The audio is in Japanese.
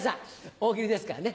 大喜利ですからね。